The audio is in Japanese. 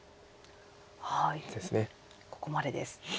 ここまでです。